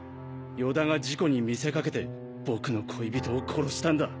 与田が事故に見せかけて僕の恋人を殺したんだ。